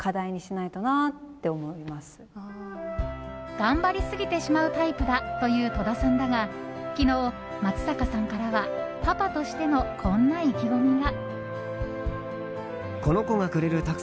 頑張りすぎてしまうタイプだという戸田さんだが昨日、松坂さんからはパパとしてのこんな意気込みが。